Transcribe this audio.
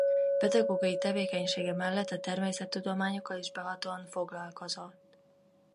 Pedagógiai tevékenysége mellett a természettudományokkal is behatóan foglalkozott.